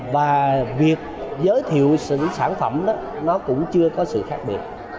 và việc giới thiệu sản phẩm cũng chưa có sự khác biệt